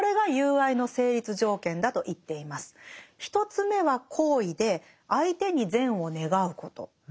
１つ目は好意で相手に善を願うこと。